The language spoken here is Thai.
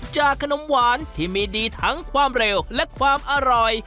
ขนมหวานที่มีดีทั้งความเร็วและความอร่อย